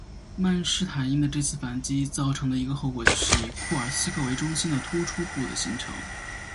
曼施坦因的这次反击造成的一个后果就是以库尔斯克为中心的突出部的形成。